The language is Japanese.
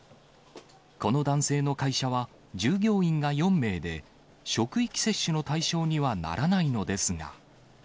この男性の会社は従業員が４名で、職域接種の対象にはならないのですが。